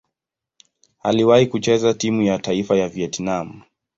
Aliwahi kucheza timu ya taifa ya Vietnam.